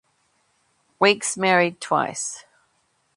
Weeks married twice.